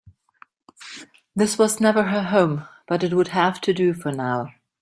This was never her home, but it would have to do for now.